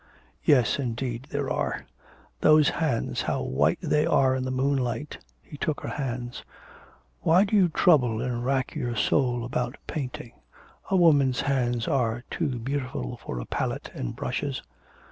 'Yes, indeed there are. Those hands, how white they are in the moonlight.' He took her hands. 'Why do you trouble and rack your soul about painting? A woman's hands are too beautiful for a palette and brushes.'